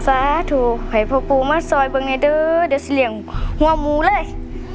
สาธุให้พ่อปูมาซอยบังไงด้วยเดี๋ยวจะเลี่ยงหัวหมูเลย